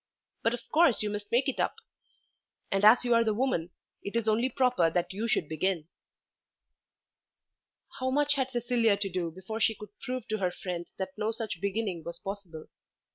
But of course you must make it up. And as you are the woman it is only proper that you should begin." How much had Cecilia to do before she could prove to her friend that no such beginning was possible.